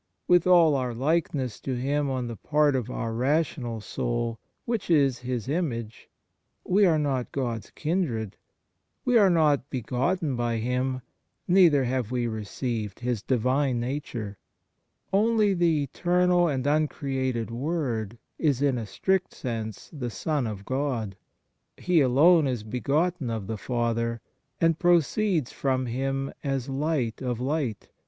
With all our likeness to Him on the part of our rational soul, which is His image, we are not God s kindred; we are not begotten by Him, neither have we received His Divine Nature. Only the Eternal and Uncreated Word is in a strict sense the Son of God. He alone is begotten of the Father, and proceeds from Him as Light of Light, God 1 Peter Chrysol., Horn. 68.